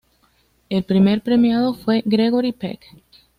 El primer premiado fue Gregory Peck.